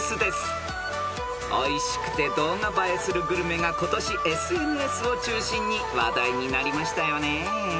［おいしくて動画映えするグルメが今年ＳＮＳを中心に話題になりましたよね］